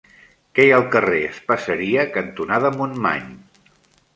Què hi ha al carrer Espaseria cantonada Montmany?